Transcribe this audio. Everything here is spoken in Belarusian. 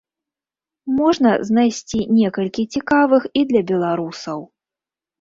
Можна знайсці некалькі цікавых і для беларусаў.